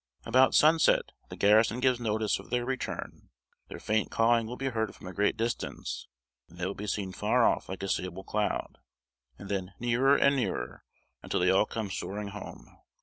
About sunset the garrison gives notice of their return; their faint cawing will be heard from a great distance, and they will be seen far off like a sable cloud, and then nearer and nearer, until they all come soaring home.